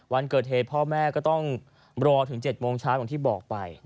วันเกิดเหตุพ่อแม่ก็ต้องรอถึง๗โมงเช้าอย่างที่บอกไป